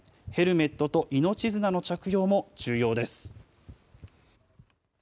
ヘルメットと命綱の着用も重要です。